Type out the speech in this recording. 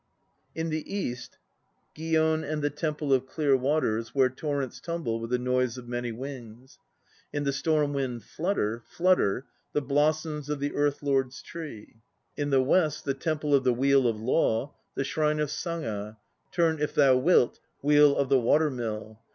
174 THE NO PLAYS OF JAPAN In the east, Gion and the Temple of Clear Waters Where torrents tumble with a noise of many wings; In the storm wind flutter, flutter The blossoms of the Earth lord's tree. 1 In the west, the Temple of the Wheel of Law, The Shrine of Saga (Turn, if thou wilt, Wheel of the Water Mill!)